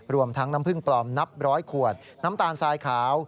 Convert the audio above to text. รวมทั้งน้ำผึ้งปลอมนับร้อยขวดน้ำตาลทรายขาว